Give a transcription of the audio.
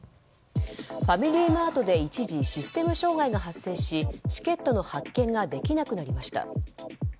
ファミリーマートで一時システム障害が発生しチケットの発券ができなくなりました。